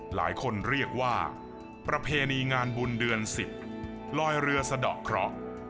หลายคนเรียกว่าประเพณีงานบุญเดือน๑๐ลอยเรือสะดอกเคราะห์